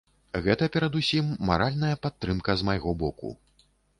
Гэта перадусім маральная падтрымка з майго боку.